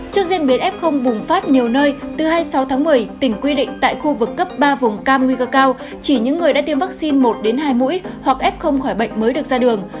trước diễn biến f bùng phát nhiều nơi từ hai mươi sáu tháng một mươi tỉnh quy định tại khu vực cấp ba vùng cam nguy cơ cao chỉ những người đã tiêm vaccine một đến hai mũi hoặc f khỏi bệnh mới được ra đường